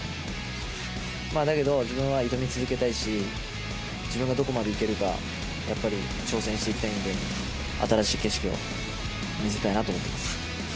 まあだけど、自分は挑み続けたいし、自分がどこまでいけるか、やっぱり挑戦していきたいんで、新しい景色を見せたいなと思っています。